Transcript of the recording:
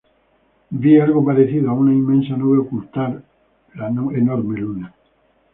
Vi algo parecido a una inmensa nube ocultar la enorme luna.